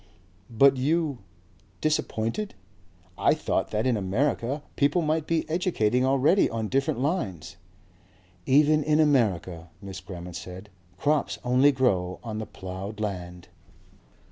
"But you ? Disappointed? I thought that in America people might be educating already on different lines " "Even in America," Miss Grammont said, "crops only grow on the ploughed land."